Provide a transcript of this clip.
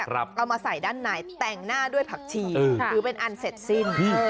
เอามาใส่ด้านในแต่งหน้าด้วยผักชีถือเป็นอันเสร็จสิ้น